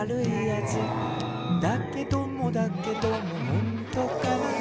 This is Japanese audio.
「だけどもだけどもほんとかな」